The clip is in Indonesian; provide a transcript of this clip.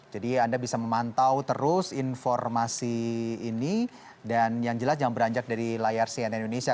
jadi anda bisa memantau terus informasi ini dan yang jelas jangan beranjak dari layar cnn indonesia